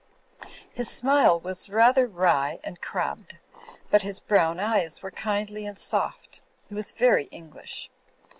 His smile was rather wry and crabbed ; but his brown eyes were kindly and soft. He was very English.